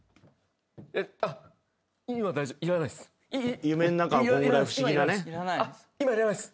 今いらないです。